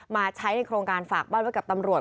มาใช้ในโครงการฝากบ้านไว้กับตำรวจ